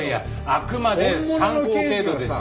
あくまで参考程度ですよ。